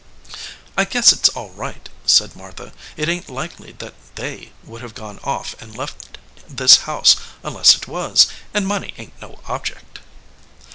"I guess it s all right," said Martha. "It ain t likely that They would have gone off and left this house unless it was ; and money ain t no object."